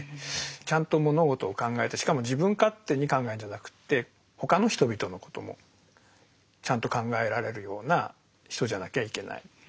ちゃんと物事を考えてしかも自分勝手に考えるんじゃなくって他の人々のこともちゃんと考えられるような人じゃなきゃいけない。